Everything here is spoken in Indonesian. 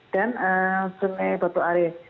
dan sungai batu are